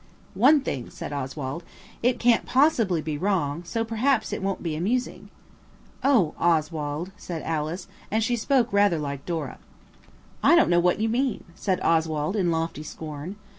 "One thing," said Oswald, "it can't possibly be wrong–so perhaps it won't be amusing." "Oh, Oswald!" said Alice, and she spoke rather like Dora. "I don't mean what you mean," said Oswald in lofty scorn.